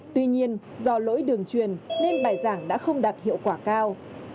tuy nhiên do lỗi đường truyền nên bài giảng đã không đạt hiệu quả cao